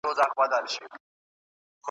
جهاني به هم سبا پر هغه لار ځي `